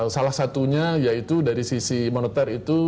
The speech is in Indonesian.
salah satunya yaitu dari sisi moneter itu